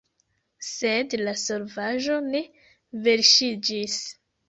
Sed la solvaĵo ne verŝiĝis.